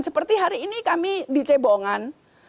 seperti hari ini kami di cebongan